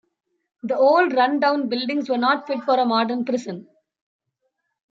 The old run-down buildings were not fit for a modern prison.